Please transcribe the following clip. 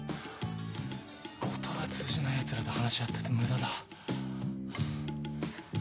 言葉通じないヤツらと話し合ってても無駄だ。